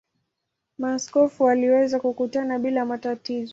Maaskofu waliweza kukutana bila matatizo.